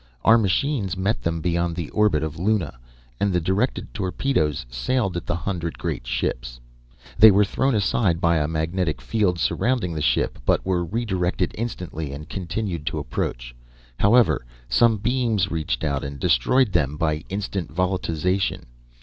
Our machines met them beyond the orbit of Luna, and the directed torpedoes sailed at the hundred great ships. They were thrown aside by a magnetic field surrounding the ship, but were redirected instantly, and continued to approach. However, some beams reached out, and destroyed them by instant volatilization.